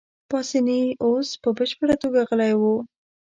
پاسیني اوس په بشپړه توګه غلی وو.